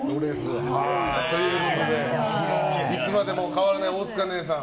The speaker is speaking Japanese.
いつまでも変わらない大塚寧々さん